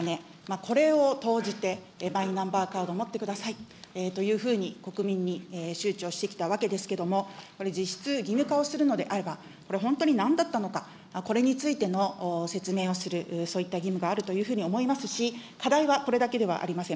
これを投じてマイナンバーカードを持ってください、国民に周知をしてきたわけですけども、実質義務化をするのであれば、これ本当になんだったのか、これについての説明をする、そういった義務があるというふうに思いますし、課題は、これだけではありません。